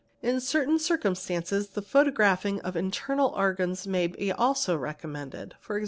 In certain circumstances the photographing of internal organs may also be recommended, e.g.